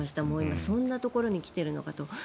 もう今、そんなところに来ているのかと。